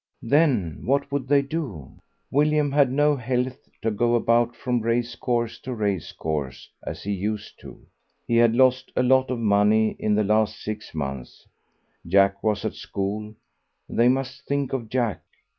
Then what would they do? William had not health to go about from race course to race course as he used to. He had lost a lot of money in the last six months; Jack was at school they must think of Jack.